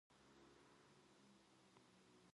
그래도 원재 어머니는 대답이 목구멍에서 나오지를 않았다.